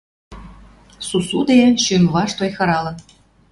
Сусуде, шӱм вашт ойхыралын.